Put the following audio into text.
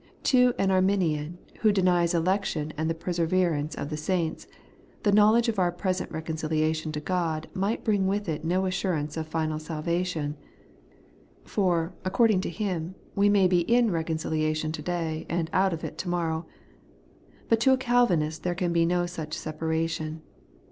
To an Arminian, who denies election and the perseverance of the saints, the knowledge of our present reconciliation to God might bring with it no assurance of final salvation ; for, according to him, we may be in reconciliation to day, and out of it to morrow ; but to a Calvinist there can be no such separation.